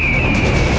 pergi ke kayu kau